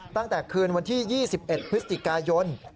ตั้งแต่คืนวันที่๒๑พฤศจิกายน